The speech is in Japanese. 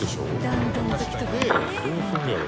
どうすんねやろ？